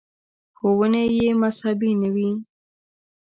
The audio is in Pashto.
• ښوونې یې مذهبي نه وې.